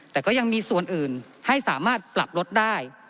แต่ก็ยังมีส่วนอื่นให้สามารถปรับลดได้